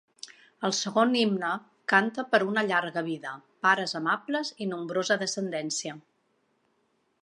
El segon himne canta per una llarga vida, pares amables i nombrosa descendència.